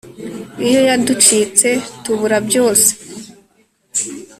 iyo yaducitse tubura byose